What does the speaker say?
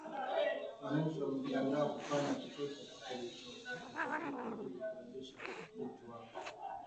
wananchi wamejiandaa kufanya chochote kinachohitajika ili kurejesha utu wao.